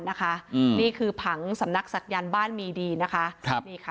นะคะนี่คือผังสำนักศักยานบ้านมีดีนะคะ